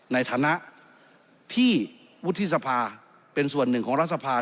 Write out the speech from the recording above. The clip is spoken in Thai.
ในฐานะที่วุฒิสภาเป็นส่วนหนึ่งของรัฐสภา